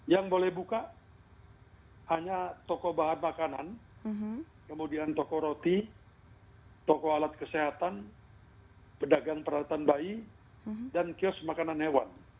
yang boleh buka hanya toko bahan makanan kemudian toko roti toko alat kesehatan pedagang peralatan bayi dan kios makanan hewan